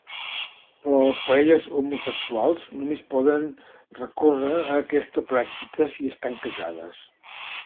Però les parelles homosexuals només poden recórrer a aquesta pràctica si estan casades.